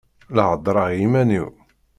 La heddṛeɣ i yiman-iw.